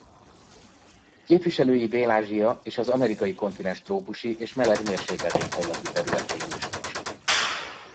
Képviselői Dél-Ázsia és az amerikai kontinens trópusi és meleg mérsékelt éghajlatú területein őshonosak.